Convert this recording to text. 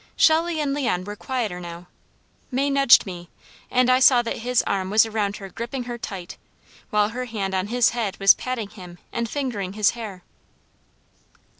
Shelley and Leon were quieter now. May nudged me, and I saw that his arm around her was gripping her tight, while her hand on his head was patting him and fingering his hair.